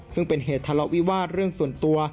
ซึ่งเป็นเหตุทะเลาะวิวาสเรื่องส่วนตัว